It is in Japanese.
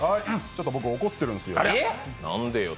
ちょっと僕、怒っているんですよ。